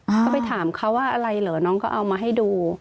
ก็ไปถามเขาว่าอะไรเหรอน้องเขาเอามาให้ดู